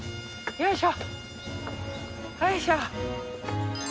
よいしょ。